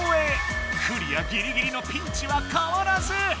クリアぎりぎりのピンチは変わらず。